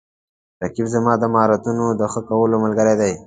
رقیب زما د مهارتونو د ښه کولو ملګری دی